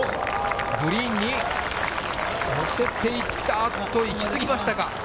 グリーンに乗せていって、あっと、行き過ぎましたか。